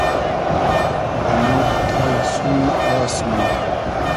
و مۉ دۂ تایی سومی آس مئندی